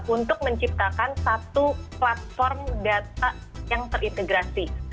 untuk menciptakan satu platform data yang terintegrasi